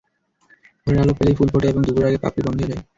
ভোরের আলো পেলেই ফুল ফোটে এবং দুপুরের আগে পাপড়ি বন্ধ হয়ে যায়।